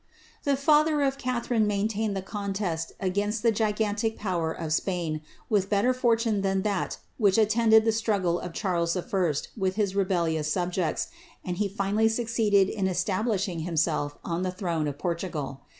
The father of Catharine maintained the contest against the gigantic power of Spain, with better fortune than tliat which attended the straggle of Charles I. with his rebellious subjects, and he finally socceeded in establisliing himself on tlie throne of Portugal.